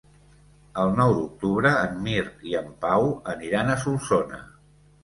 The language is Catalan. El nou d'octubre en Mirt i en Pau aniran a Solsona.